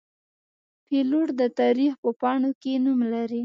پیلوټ د تاریخ په پاڼو کې نوم لري.